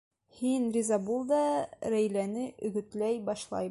Һин риза бул да, Рәйләне өгөтләй башлайбыҙ.